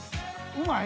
うまい？